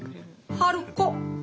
春子。